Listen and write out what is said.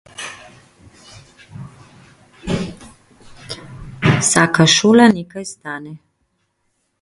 Vsaka šola nekaj stane.